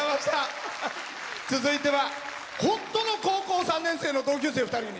続いては本当の高校３年生の同級生２人組。